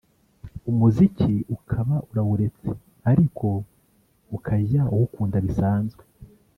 umuziki ukaba urawuretse ariko ukajya uwukunda bisanzwe